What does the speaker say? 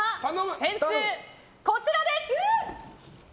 点数こちらです！